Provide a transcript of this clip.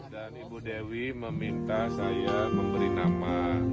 dan ibu dewi meminta saya memberi nama